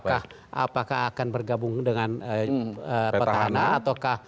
apakah akan bergabung dengan petahana ataukah